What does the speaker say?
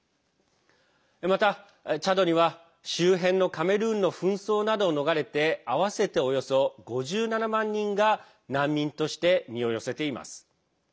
またチャドには、周辺のカメルーンの紛争などを逃れて合わせて、およそ５７万人が難民として身を寄せています。